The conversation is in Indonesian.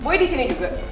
boy disini juga